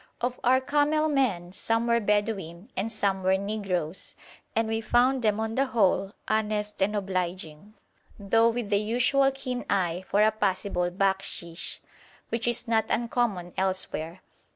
Of our camel men, some were Bedouin and some were negroes, and we found them on the whole honest and obliging, though with the usual keen eye for a possible bakshish, which is not uncommon elsewhere.